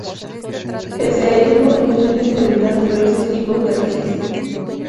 Pese a ello, los medios le brindaron diversos tipos de reseñas.